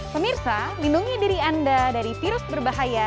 pemirsa lindungi diri anda dari virus berbahaya